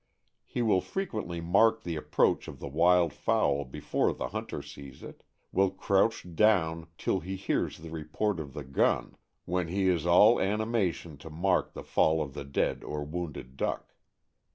He will frequently mark the approach of the wild fowl before the hunter sees it; will crouch down till he hears the report of the gun, when he is all anima tion to mark the fall of the dead or wounded duck.